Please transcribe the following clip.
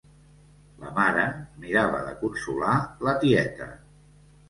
La mare mirava de consolar la tieta.